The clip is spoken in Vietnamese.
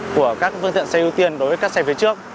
của các phương tiện xe ưu tiên đối với các xe phía trước